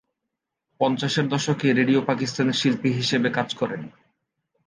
পঞ্চাশের দশকে রেডিও পাকিস্তানের শিল্পী হিসেবে কাজ করেন।